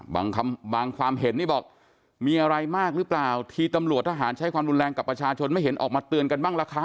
บางความเห็นนี่บอกมีอะไรมากหรือเปล่าทีตำรวจทหารใช้ความรุนแรงกับประชาชนไม่เห็นออกมาเตือนกันบ้างล่ะคะ